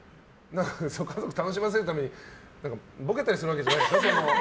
家族楽しませるためにボケたりするわけじゃないでしょ。